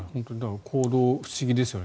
行動が不思議ですよね。